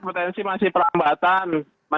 masih masih perambatan